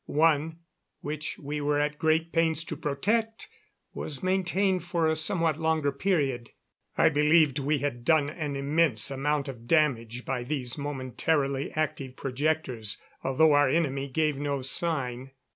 One, which we were at great pains to protect, was maintained for a somewhat longer period. I believed we had done an immense amount of damage by these momentarily active projectors, although our enemy gave no sign.